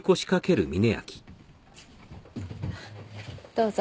どうぞ。